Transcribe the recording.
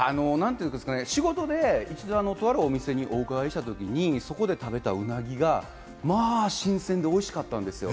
仕事で、とある店に伺った時にそこで食べたうなぎがまあ新鮮で美味しかったんですよ。